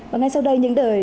và quân đội